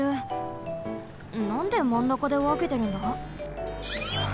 なんでまんなかでわけてるんだ？